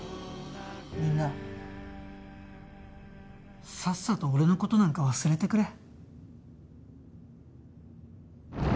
みんなさっさと俺の事なんか忘れてくれ。